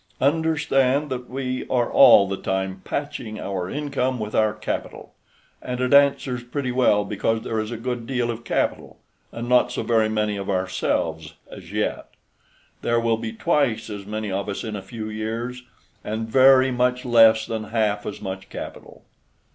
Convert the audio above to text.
Understand that we are all the time patching our income with our capital; and it answers pretty well because there is a good deal of capital and not so very many of ourselves, as yet. There will be twice as many of us in a few years, and very much less than half as much capital.